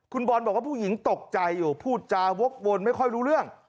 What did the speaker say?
คุณบอลบอกว่าผู้หญิงตกใจอยู่พูดจาวกวนไม่ค่อยรู้เรื่อง